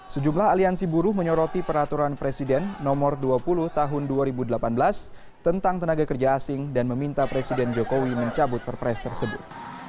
sejumlah aliansi buruh menyoroti peraturan presiden nomor dua puluh tahun dua ribu delapan belas tentang tenaga kerja asing dan meminta presiden jokowi mencabut perpres tersebut